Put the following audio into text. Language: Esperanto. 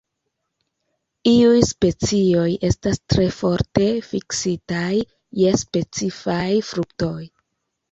Iuj specioj estas tre forte fiksitaj je specifaj fruktoj.